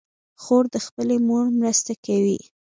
خور د خپلې مور مرسته کوي.